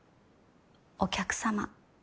お客様。